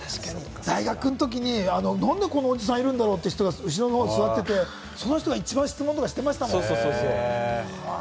大学の時になんでこんなおじさんいるんだろう？という人が後ろの方にいて、その人が一番質問していましたもんね。